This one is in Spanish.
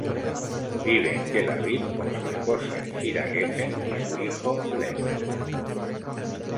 Vive en Tel Aviv con su esposa, Shira Geffen, y su hijo, Lev.